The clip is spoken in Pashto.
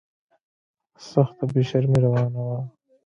سخته بې شرمي روانه وه.